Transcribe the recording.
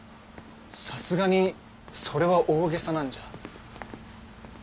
さすがにそれは大げさなんじゃ。